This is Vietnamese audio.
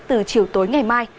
từ chiều tối ngày mai